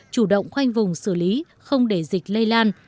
chủ động khoanh vùng xử lý không để dịch lây lan